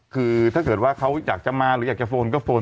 คือถ้าเกิดว่าเขาอยากจะมาหรืออยากจะโฟนก็โฟน